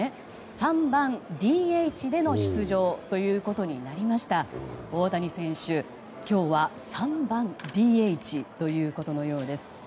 ３番ＤＨでの出場ということになりました大谷選手、今日は３番ＤＨということのようです。